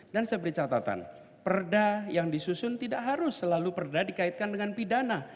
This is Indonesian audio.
dan saya beri catatan perda yang disusun tidak harus selalu perda dikaitkan dengan pidana